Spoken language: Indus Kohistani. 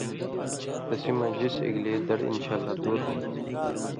تسی ہِن جِسہۡ ایگلے دڑ انشاءاللہ دُور ہوتھی۔